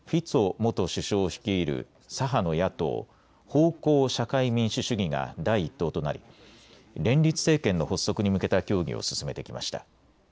元首相率いる左派の野党、方向・社会民主主義が第１党となり、連立政権の発足に向けた協議を進めてきました。